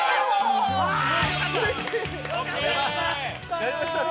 やりましたね。